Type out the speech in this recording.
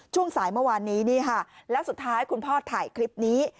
ช่วงสายเมื่อวานนี้นี่ค่ะแล้วสุดท้ายคุณพ่อถ่ายคลิปนี้